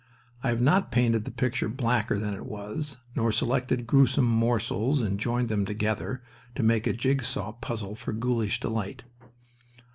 I have not painted the picture blacker than it was, nor selected gruesome morsels and joined them together to make a jig saw puzzle for ghoulish delight.